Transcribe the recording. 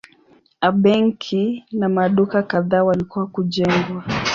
A benki na maduka kadhaa walikuwa kujengwa.